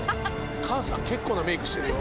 菅さん結構なメイクしてるよ？